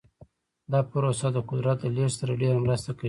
دا پروسه د قدرت د لیږد سره ډیره مرسته کوي.